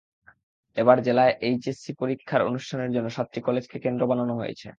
এবার জেলায় এইচএসসি পরীক্ষা অনুষ্ঠানের জন্য সাতটি কলেজকে কেন্দ্র বানানো হয়েছে।